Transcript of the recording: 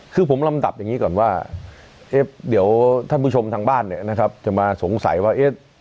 คือผมลำดับอย่างนี้ก่อนว่าเดี๋ยวท่านผู้ชมทางบ้านจะมาสงสัยว่า